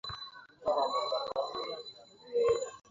তবু কেন গৌতম গম্ভীর তাঁকে দিয়ে চতুর্থ ওভার করালেন না, সেটাই প্রশ্ন।